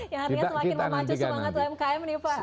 yang artinya semakin memacu semangat umkm nih pak